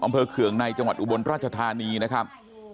เคืองในจังหวัดอุบลราชธานีนะครับ